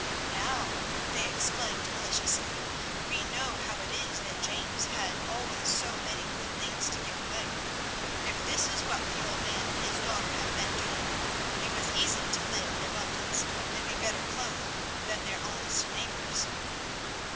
"Now," they exclaimed maliciously, "we know how it is that James had always so many good things to give away. If this is what the old man and his daughter have been doing, it was easy to live in abundance and be better clothed than their honest neighbours."